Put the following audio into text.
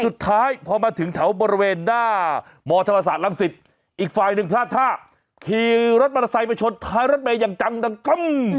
สุดท้ายพอมาถึงแถวบริเวณหน้ามธรรมศาสตรังสิตอีกฝ่ายหนึ่งพลาดท่าขี่รถมอเตอร์ไซค์ไปชนท้ายรถเมย์อย่างจังดังกั้ง